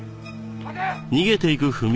待て！